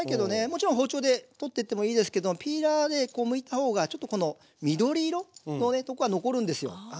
もちろん包丁で取ってってもいいですけどピーラーでむいた方がちょっとこの緑色のとこが残るんですよ。